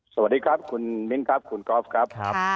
สวัสดีครับคุณมิ้นครับคุณกอล์ฟครับ